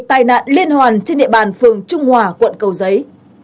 tai nạn liên hoàn trên địa bàn phường trung hòa quận cầu giấy